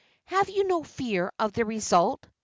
"Have you no fear of the result?"